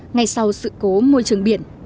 ngay sau sự cố môi trường biển